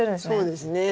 そうですね。